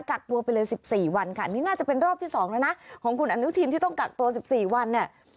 กักตัวไปเลย๑๔วันค่ะนี่น่าจะเป็นรอบที่๒แล้วนะของคุณอนุทินที่ต้องกักตัว๑๔วันเนี่ย